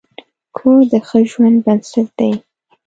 کور د ښه ژوند بنسټ دی.